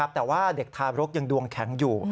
แต่ว่าเด็กทารกยังดวงแข็งอยู่